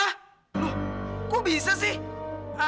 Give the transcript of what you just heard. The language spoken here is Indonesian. loh kok bisa sih